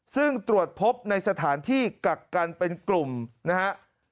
ซึ่งตรวจพบในสถานที่กักกันเป็นกลุ่มนะฮะ